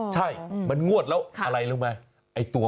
ใช่มันงวดแล้วอะไรรู้ไหม